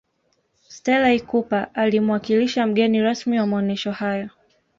stella ikupa alimuwakilisha mgeni rasmi wa maonesho hayo